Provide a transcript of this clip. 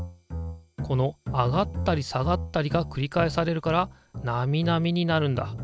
この上がったり下がったりがくりかえされるからナミナミになるんだ。